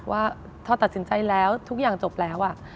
ว่าถ้าตัดสินใจแล้วทุกอย่างจบแล้ว